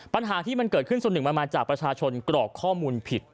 ปัญหาที่มันเกิดขึ้นส่วนหนึ่งมันมาจากประชาชนกรอกข้อมูลผิด